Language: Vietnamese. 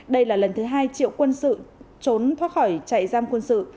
đây là lần thứ hai triệu quân sự trốn thoát khỏi trại giam quân sự